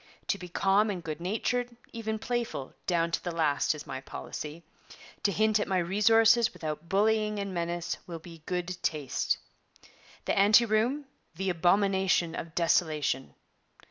To be calm and good natured, even playful, down to the last, is my policy; to hint at my resources without bullying and menace will be good taste. The Ante Room, the Abomination of Desolation.